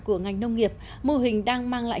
của ngành nông nghiệp mô hình đang mang lại